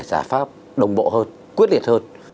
giải pháp đồng bộ hơn quyết liệt hơn